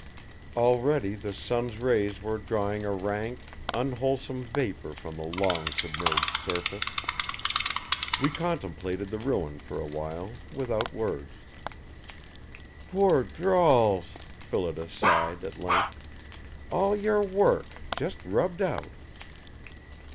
Already the sun's rays were drawing a rank, unwholesome vapor from the long submerged surface. We contemplated the ruin for a while, without words. "Poor Drawls!" Phillida sighed at length. "All your work just rubbed out!"